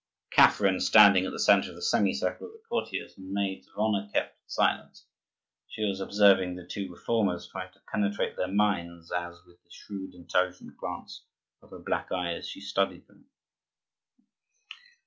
Catherine, standing at the centre of a semicircle of the courtiers and maids of honor, kept silence. She was observing the two Reformers, trying to penetrate their minds as, with the shrewd, intelligent glance of her black eyes, she studied them.